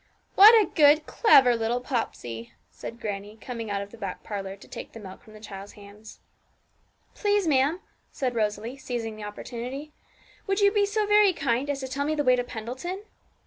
'What a good, clever little Popsey!' said grannie, coming out of the back parlour to take the milk from the child's hands. 'Please, ma'am,' said Rosalie, seizing the opportunity, 'would you be so very kind as to tell me the way to Pendleton?'